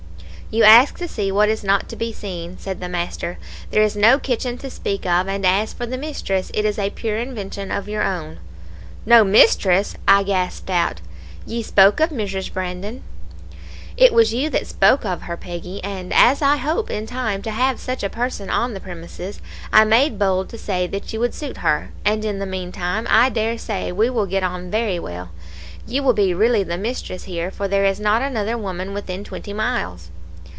"'You ask to see what is not to be seen,' said the master. 'There is no kitchen to speak of, and as for the mistress, it is a pure invention of your own.' "'No mistress?' I gasped out; 'ye spoke of Mrs. Brandon.' "'It was you that spoke of her, Peggy; and as I hope in time to have such a person on the premises, I made bold to say that you would suit her, and in the meantime I dare say we will get on very well. You will be really the mistress here, for there is not another woman within twenty miles.'